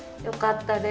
よかった。